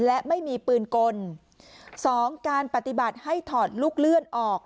และไม่มีปืนกลสองการปฏิบัติให้ถอดลูกเลื่อนออก